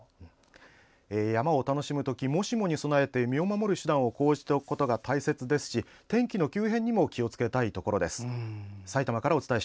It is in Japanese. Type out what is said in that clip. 山を楽しむ時もしもに備えて身を守る手段を講じておくことが大切ですし天気の急変にも気をつけたいところです。